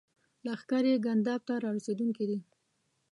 لښکرې ګنداب ته را رسېدونکي دي.